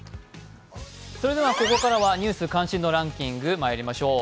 ここからは「ニュース関心度ランキング」まいりましょう。